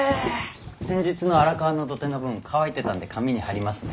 先日の荒川の土手の分乾いてたんで紙に貼りますね。